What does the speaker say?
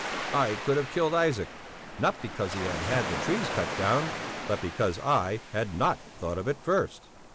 I could have killed Isaac, not because he had had the trees cut down, but because I had not thought of it first.